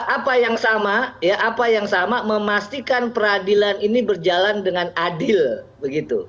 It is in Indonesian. apa yang sama ya apa yang sama memastikan peradilan ini berjalan dengan adil begitu